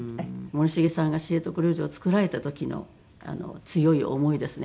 森繁さんが『知床旅情』を作られた時の強い思いですね。